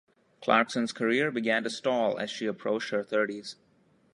Clarkson's career began to stall as she approached her thirties.